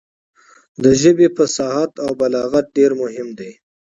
د ژبې فصاحت او بلاغت ډېر مهم دی.